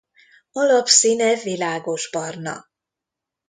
Alapszíne világosbarna.